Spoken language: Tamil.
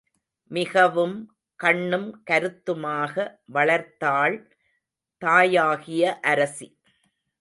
மிகவும் கண்ணும் கருத்துமாக வளர்த்தாள் தாயாகிய அரசி.